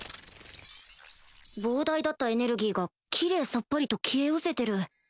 膨大だったエネルギーがキレイさっぱりと消えうせてる